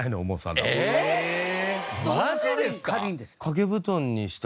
マジですか？